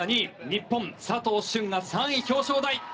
日本佐藤駿が３位表彰台。